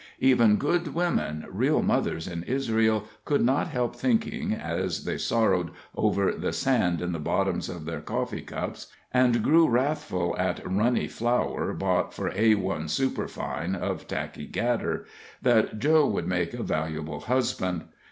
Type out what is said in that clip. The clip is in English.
Even good women, real mothers in Israel, could not help thinking, as they sorrowed over the sand in the bottoms of their coffee cups, and grew wrathful at "runney" flour bought for "A 1 Superfine" of Tackey & Gatter, that Joe would make a valuable husband.